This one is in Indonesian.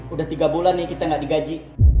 udah tiga bulan nih kita nggak digaji